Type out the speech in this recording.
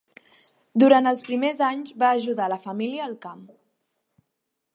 Durant els primers anys va ajudar la família al camp.